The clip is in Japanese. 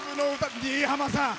新浜さん。